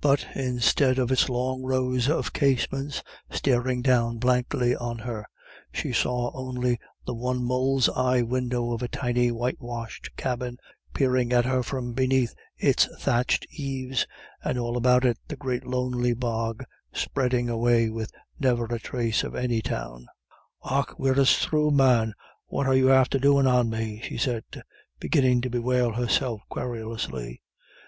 But, instead of its long rows of casements staring down blankly on her, she saw only the one mole's eye window of a tiny whitewashed cabin peering at her from beneath its thatched eaves, and all about it the great lonely bog spreading away with never a trace of any town. "Och, wirrasthrew, man, what are you after doin' on me?" she said, beginning to bewail herself querulously.